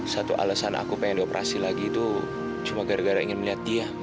satu alasan aku pengen dioperasi lagi itu cuma gara gara ingin melihat dia